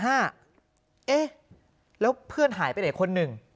เอ๊ะแล้วเพื่อนหายไปไหนคนหนึ่ง